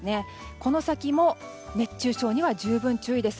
この先も熱中症には十分注意です。